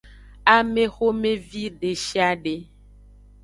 Amexomevi deshiade.